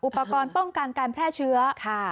อุปกรณ์ป้องกันการแพร่เชื้อ